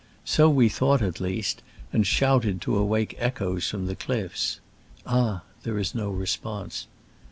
So we thought, at least, and shouted to awake echoes from the cliffs. Ah ! there is no re sponse.